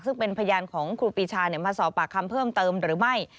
ซึ่งเป็นพยานของครูปีชามาสอบปากคำเพิ่มเติมหรือไม่